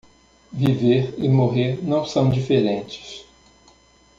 Viver e morrer não são diferentes